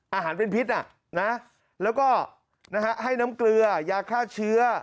อาหารเป็นพิษแล้วก็ให้น้ำเกลือยาฆ่าเชื้อ